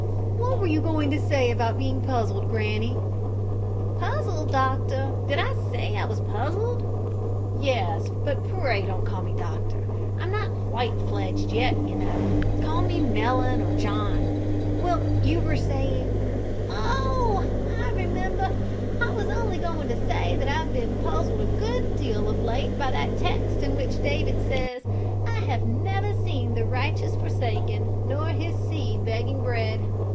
"What were you going to say about being puzzled, granny?" "Puzzled, doctor! did I say I was puzzled?" "Yes, but pray don't call me doctor. I'm not quite fledged yet, you know. Call me Mellon, or John. Well, you were saying " "Oh, I remember. I was only going to say that I've been puzzled a good deal of late by that text in which David says, `I have never seen the righteous forsaken, nor his seed begging bread.'